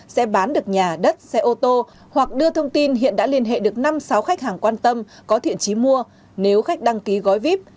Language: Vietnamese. sẽ bán được nhà đất xe ô tô hoặc đưa thông tin hiện đã liên hệ được năm sáu khách hàng quan tâm có thiện trí mua nếu khách đăng ký gói vip